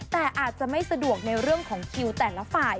แต่อาจจะไม่สะดวกในเรื่องของคิวแต่ละฝ่าย